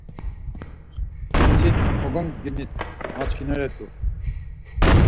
Sin kogongdini maçkineret̆u.